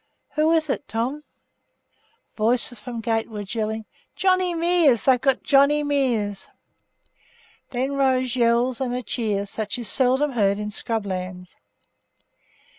'Who is it, Tom?' Voices from gatewards, yelling, 'Johnny Mears! They've got Johnny Mears!' Then rose yells, and a cheer such as is seldom heard in scrub lands.